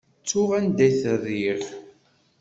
Ttuɣ anda i t-rriɣ.